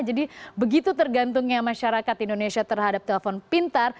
jadi begitu tergantungnya masyarakat indonesia terhadap telpon vintar